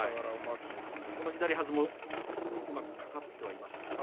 左はずもうまくかかっていましたね。